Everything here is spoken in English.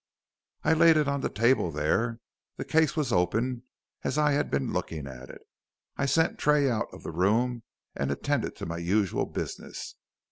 "I laid it on the table there. The case was open, as I had been looking at it. I sent Tray out of the room and attended to my usual business.